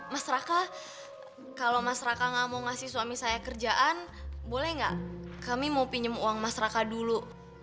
mas raka kalau mas raka nggak mau ngasih suami saya kerjaan boleh nggak kami mau pinjam uang mas raka dulu